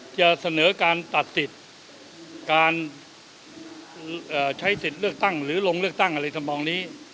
จะเสนอการตัดสิทธิ์การใช้สิทธิ์เลือกตั้งหรือลงเลือกตั้งอะไรทำนองนี้